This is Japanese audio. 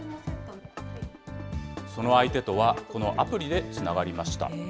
その相手とは、このアプリでつながりました。